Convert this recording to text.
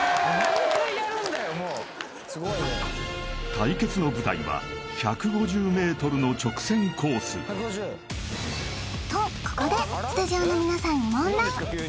対決の舞台は１５０ｍの直線コースとここでスタジオの皆さんに問題